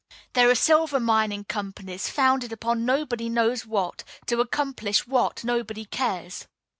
There are silver mining companies, founded upon nobody knows what to accomplish what, nobody cares.